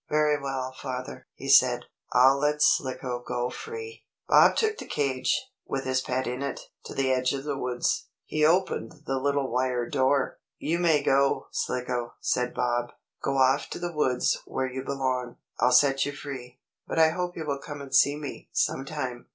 "Very well, father," he said. "I'll let Slicko go free!" Bob took the cage, with his pet in it, to the edge of the woods. He opened the little wire door. "You may go, Slicko," said Bob. "Go off to the woods where you belong. I'll set you free, but I hope you will come and see me, sometime."